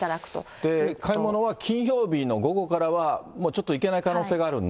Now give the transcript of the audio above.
で、買い物は金曜日の午後からは、もうちょっと行けない可能性があるんで。